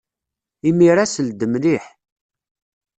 Imir-a, sel-d mliḥ.